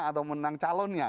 atau menang calonnya